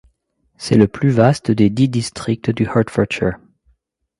C'est le plus vaste des dix districts du Hertfordshire.